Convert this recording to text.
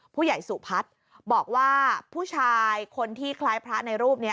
ผู้ใหญ่สุพัฒน์บอกว่าผู้ชายคนที่คล้ายพระในรูปนี้